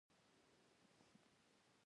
ما هلته یوه هفته تېره کړه.